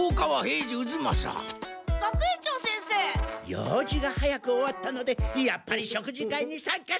用事が早く終わったのでやっぱり食事会に参加することにした。